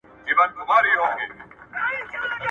د مقطعاتو حروفو په تفسير کي مفسرين مختلف نظرونه لري.